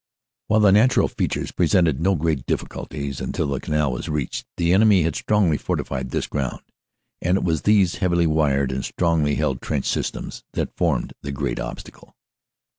"While the natural features presented no great difficulties until the canal was reached the enemy had strongly forti fied this ground, and it was these heavily wired and strongly held trench systems that formed the great obstacle.